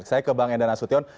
saya ke bang endar nasution